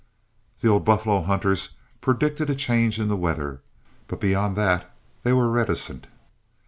The old buffalo hunters predicted a change in the weather, but beyond that they were reticent.